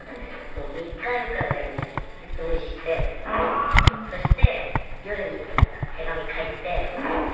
もう３日４日ぐらいにずっと無視してそして夜に手紙書いてその内容が